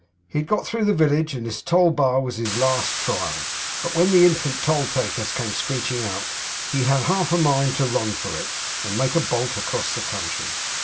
He had got through the village, and this toll bar was his last trial; but when the infant toll takers came screeching out, he had half a mind to run for it, and make a bolt across the country.